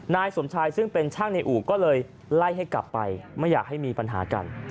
นายสมชายซึ่งเป็นช่างในอู่ก็เลยไล่ให้กลับไปไม่อยากให้มีปัญหากัน